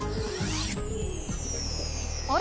あれ？